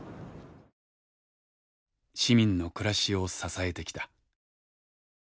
市民の暮らしを支えてきた。